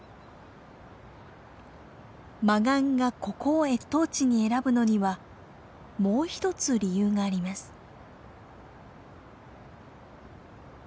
マガンがここを越冬地に選ぶのにはもう一つ理由があります。